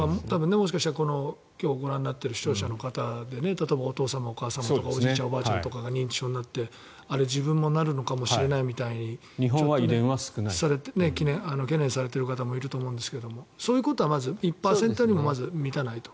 もしかしたら今日ご覧になっている視聴者の方でお父さん、お母さんおじいさん、おばあさんが認知症になって自分もなるのかもしれないって懸念されている方もいると思いますがそういうことも１％にも満たないと。